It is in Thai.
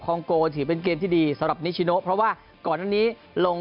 ก็จะมีการลงรายละเอียดที่สุดในการเล่นเกมวันนี้ครับ